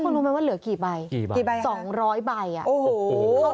แล้วคุณรู้ไม่ว่าเหลือกี่ใบสองร้อยใบอ่ะโอ้โห